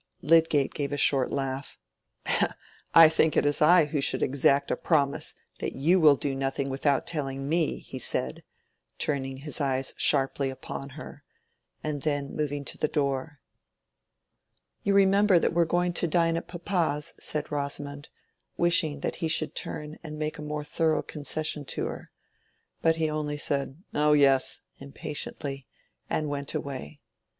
Lydgate gave a short laugh. "I think it is I who should exact a promise that you will do nothing without telling me," he said, turning his eyes sharply upon her, and then moving to the door. "You remember that we are going to dine at papa's," said Rosamond, wishing that he should turn and make a more thorough concession to her. But he only said "Oh yes," impatiently, and went away.